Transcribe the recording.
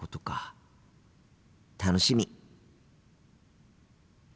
楽しみ。